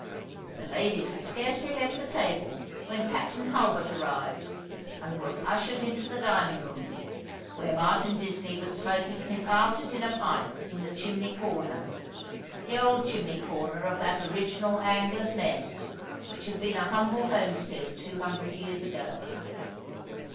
The ladies had scarcely left the table when Captain Hulbert arrived, and was ushered into the dining room, where Martin Disney was smoking his after dinner pipe in the chimney corner — 2 20 All alojio^ the River, the old chimney corner of that original Angler's Nest, which had been a humble homestead two hundred years ago.